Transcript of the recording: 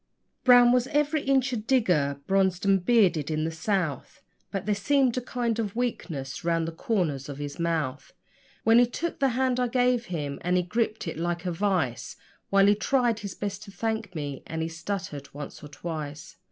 Brown was every inch a digger (bronzed and bearded in the South), But there seemed a kind of weakness round the corners of his mouth When he took the hand I gave him; and he gripped it like a vice, While he tried his best to thank me, and he stuttered once or twice.